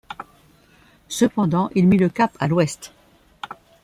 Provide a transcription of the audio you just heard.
Cependant il mit le cap à l’ouest.